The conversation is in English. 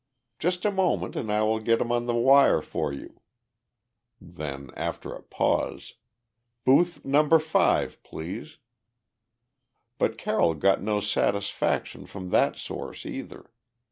"Just a moment and I will get him on the wire for you." Then, after a pause, "Booth Number Five, please." But Carroll got no satisfaction from that source, either.